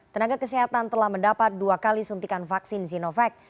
tenaga kesehatan telah mendapat dua kali suntikan vaksin sinovac